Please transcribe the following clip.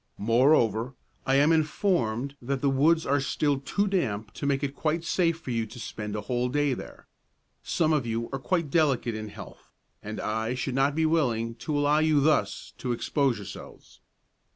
Moreover, I am informed that the woods are still too damp to make it quite safe for you to spend a whole day there. Some of you are quite delicate in health, and I should not be willing to allow you thus to expose yourselves.